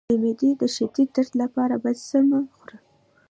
د معدې د شدید درد لپاره باید څه مه خورم؟